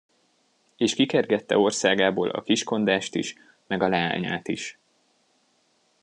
És kikergette országából a kiskondást is, meg a leányát is.